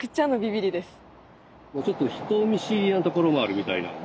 ちょっと人見知りなところもあるみたいなんで。